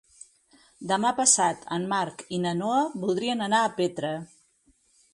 Demà passat en Marc i na Noa voldrien anar a Petra.